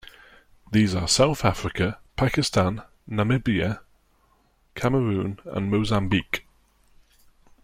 These are South Africa, Pakistan, Namibia, Cameroon and Mozambique.